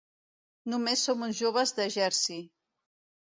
Només som uns joves de Jersey.